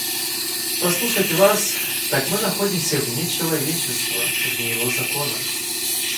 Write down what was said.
Послушать вас, так мы находимся вне человечества, вне его законов.